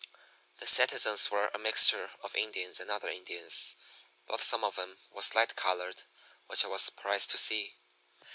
The citizens were a mixture of Indians and other Indians; but some of 'em was light colored, which I was surprised to see.